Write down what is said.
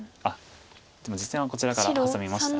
でも実戦はこちらからハサみました。